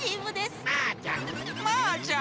マーちゃん。